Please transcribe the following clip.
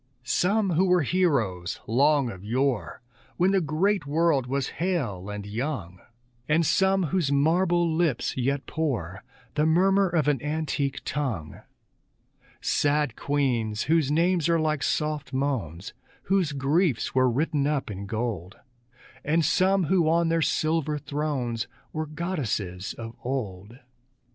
Some who were heroes long of yore, When the great world was hale and young; And some whose marble lips yet pour The murmur of an antique tongue; Sad queens, whose names are like soft moans, Whose griefs were written up in gold; And some who on their silver thrones Were goddesses of old.